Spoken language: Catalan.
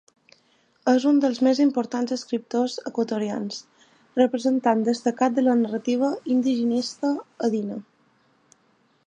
És un dels més importants escriptors equatorians, representant destacat de la narrativa indigenista andina.